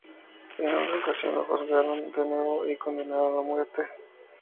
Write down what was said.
En una ocasión lo juzgaron de nuevo y lo condenaron a muerte.